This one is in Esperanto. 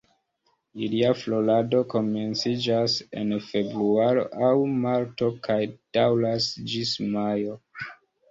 Ilia florado komenciĝas en Februaro aŭ Marto kaj daŭras ĝis Majo.